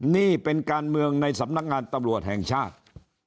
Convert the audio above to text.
นี่เป็นการเมืองในสำนักงานตำรวจแห่งชาติ